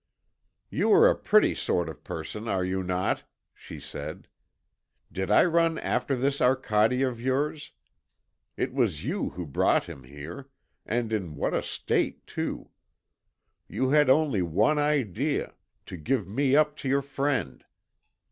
"You are a pretty sort of person, are you not?" she said. "Did I run after this Arcade of yours? It was you who brought him here, and in what a state, too! You had only one idea: to give me up to your friend.